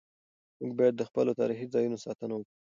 موږ باید د خپلو تاریخي ځایونو ساتنه وکړو.